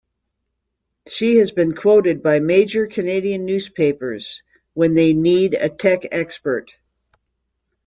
She has been quoted by major Canadian newspapers, when they need a tech expert.